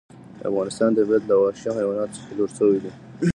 د افغانستان طبیعت له وحشي حیواناتو څخه جوړ شوی دی.